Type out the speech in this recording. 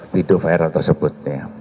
video viral tersebut